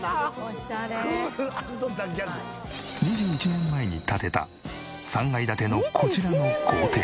２１年前に建てた３階建てのこちらの豪邸。